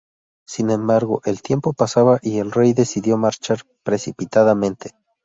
Sin embargo, el tiempo pasaba y el rey decidió marchar precipitadamente.